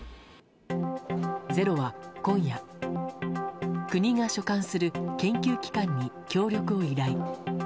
「ｚｅｒｏ」は今夜国が所管する研究機関に協力を依頼。